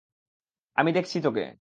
আমি দেখেছি তোকে!